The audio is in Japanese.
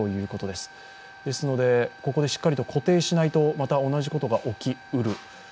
ですので、ここでしっかりと固定しないとまた同じことが起きうる。